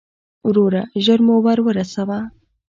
وروره، ژر مو ور ورسوه.